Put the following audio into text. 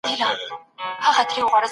ښه ذهنیت ژوند نه کموي.